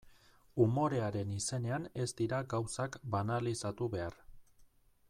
Umorearen izenean ez dira gauzak banalizatu behar.